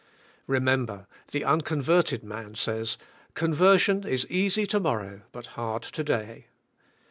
Remember, the unconverted man says, conversion is easy to mor row but hard to day.